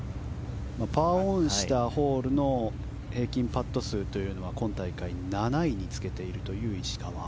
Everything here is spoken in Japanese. パーオンしたホールの平均パット数が今大会７位につけている石川。